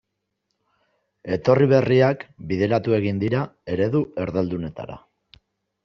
Etorri berriak bideratu egin dira eredu erdaldunetara.